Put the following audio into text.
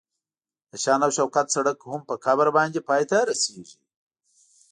د شان او شوکت سړک هم په قبر باندې پای ته رسیږي.